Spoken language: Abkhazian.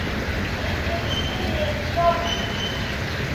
Гитлер иԥсы ҩеихшәо!